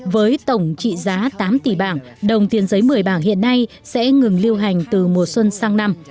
với tổng trị giá tám tỷ bảng đồng tiền giấy một mươi bảng hiện nay sẽ ngừng lưu hành từ mùa xuân sang năm